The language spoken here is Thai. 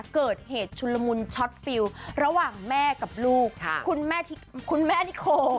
เกิดเหตุชุนละมุนช็อตฟิลระหว่างแม่กับลูกคุณแม่นิโค